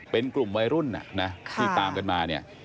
เป็นกลุ่มวัยรุ่นที่ตามกันมาเนี่ย